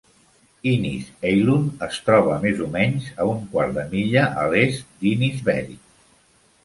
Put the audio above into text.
Ynys Eilun es troba més o menys a un quart de milla a l'est d'Ynys Bery.